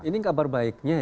ini kabar baiknya ya